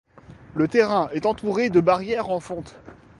Le terrain est entouré de barrières en fonte.